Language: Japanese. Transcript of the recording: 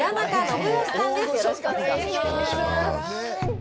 よろしくお願いします。